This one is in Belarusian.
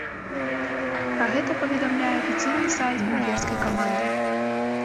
Пра гэта паведамляе афіцыйны сайт венгерскай каманды.